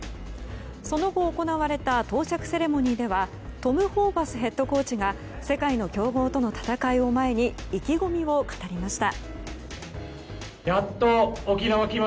その後、行われた到着セレモニーではトム・ホーバスヘッドコーチが世界の強豪との戦いを前に意気込みを語りました。